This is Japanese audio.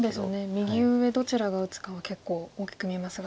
右上どちらが打つかは結構大きく見えますが。